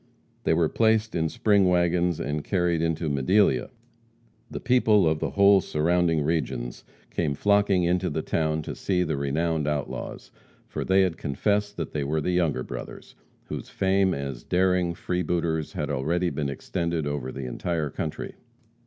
They were placed in spring wagons and carried into Madelia. The people of the whole surrounding regions came flocking into the town to see the renowned outlaws, for they had confessed that they were the Younger Brothers, whose fame as daring freebooters had already been extended over the entire country.